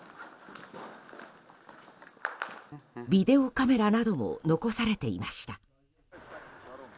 ビデオカメラなども残されていました。